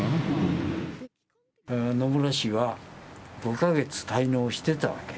野村氏は、５か月滞納してたわけ。